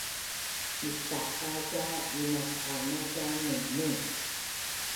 mistaba ca inakanak a nungnung